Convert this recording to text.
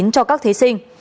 cho các thí sinh